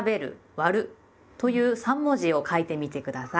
「『割』る」という三文字を書いてみて下さい。